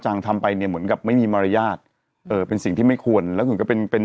ทำไปเนี่ยเหมือนกับไม่มีมารยาทเอ่อเป็นสิ่งที่ไม่ควรแล้วคุณก็เป็นเป็น